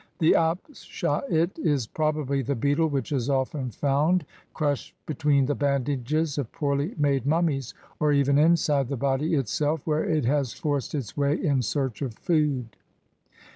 The apshait is probably the beetle which is often found crushed between the bandages of poorly made mummies, or even inside the body itself, where it has forced its way in search of food.